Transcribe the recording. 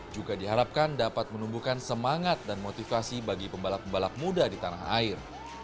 juga diharapkan dapat menumbuhkan semangat dan motivasi bagi pembalap pembalap muda di tanah air